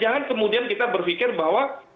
jangan kemudian kita bilang ya itu di mana indonesia luas